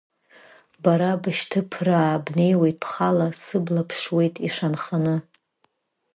Бара бышьҭыԥраа бнеиуеит бхала, сыбла ԥшуеит ишанханы.